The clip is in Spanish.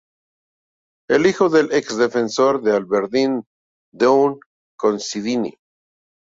Es hijo del ex defensor de Aberdeen Doug Considine.